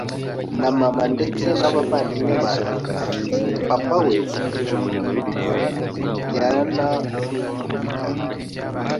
na mama ndetse n’abavandimwe banjye, papa we yaranankubitaga